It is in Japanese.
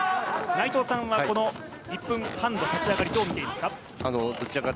内藤さんは１分半の立ち上がり、どう見ていますか。